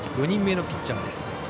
４人目のピッチャーです。